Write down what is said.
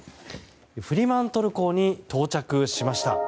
フリマントル港に到着しました。